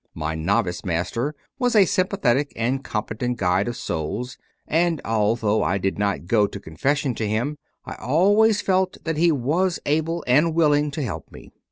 My "novice master 7 was a sympathetic and com petent guide of souls and, although I did not go to Confession to him, I always felt that he was able and willing to help me.